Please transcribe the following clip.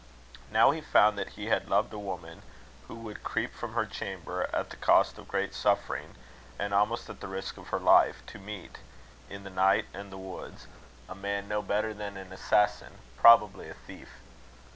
Now he found that he had loved a woman who would creep from her chamber, at the cost of great suffering, and almost at the risk of her life, to meet, in the night and the woods, a man no better than an assassin probably a thief.